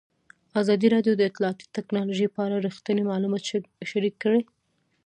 ازادي راډیو د اطلاعاتی تکنالوژي په اړه رښتیني معلومات شریک کړي.